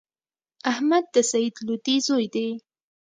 احمد د سعید لودی زوی دﺉ.